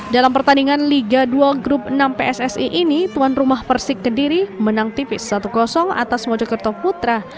dalam pertandingan liga dua grup enam pssi ini tuan rumah persik kediri menang tipis satu atas mojokerto putra